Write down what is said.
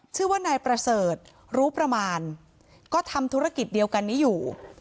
ชื่อว่านายประเสริฐรู้ประมาณก็ทำธุรกิจเดียวกันนี้อยู่